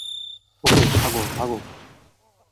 ওকে, ভাগো, ভাগো।